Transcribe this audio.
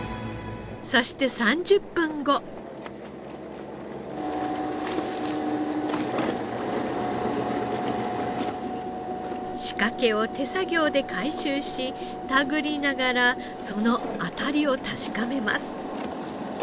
そして仕掛けを手作業で回収し手繰りながらそのあたりを確かめます。